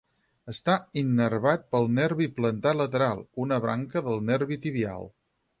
Està innervat pel nervi plantar lateral, una branca del nervi tibial.